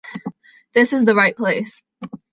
This is the right place.